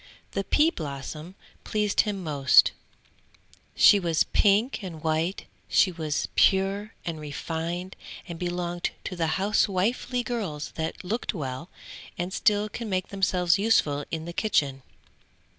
The pea blossom pleased him most, she was pink and white, she was pure and refined and belonged to the housewifely girls that look well, and still can make themselves useful in the kitchen.